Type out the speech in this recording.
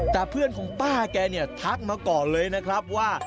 แต่เพื่อนของป้าแกเนี่ยทักมาก่อนเลยนะครับว่า